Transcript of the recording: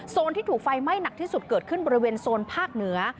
ที่ถูกไฟไหม้หนักที่สุดเกิดขึ้นบริเวณโซนภาคเหนือ